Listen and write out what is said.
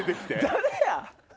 誰や？